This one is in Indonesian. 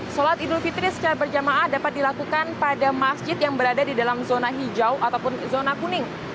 sholat idul fitri secara berjamaah dapat dilakukan pada masjid yang berada di dalam zona hijau ataupun zona kuning